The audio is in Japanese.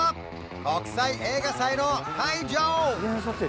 国際映画祭の会場！